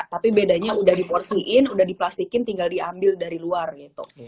tapi bedanya udah diporsiin udah diplastikin tinggal diambil dari luar gitu